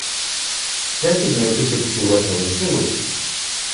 ¿Tlen tikneki tikchiuas nin xiuitl?